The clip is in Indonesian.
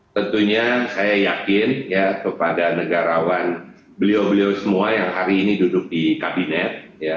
tentunya saya yakin kepada negarawan beliau beliau semua yang hari ini duduk di kabinet